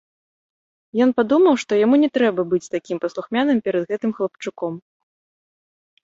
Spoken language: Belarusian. Ён падумаў, што яму не трэба быць такім паслухмяным перад гэтым хлапчуком.